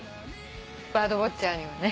バードウオッチャーにはね。